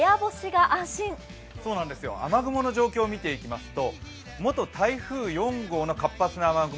雨雲の状況を見ていきますと、元台風４号の活発な雨雲。